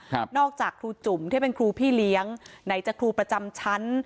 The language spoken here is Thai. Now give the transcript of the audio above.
ครับนอกจากครูจุ๋มที่เป็นครูพี่เลี้ยงไหนจะครูประจำชั้น